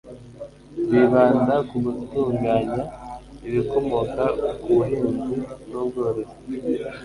bibanda ku gutunganya ibikomoka ku buhinzi n' ubworozi